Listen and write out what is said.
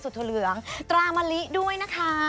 สูตรอเหลืองตราบาลิด้วยนะคะ